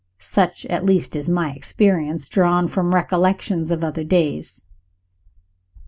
Such, at least, is my experience, drawn from recollections of other days.